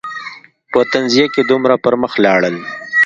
په تنزیه کې دومره پر مخ لاړل.